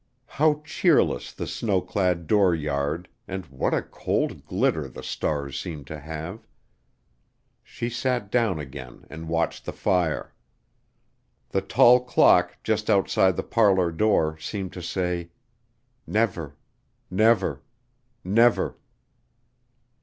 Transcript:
How cheerless the snowclad dooryard, and what a cold glitter the stars seemed to have! She sat down again and watched the fire. The tall clock just outside the parlor door seemed to say: "Never never never!"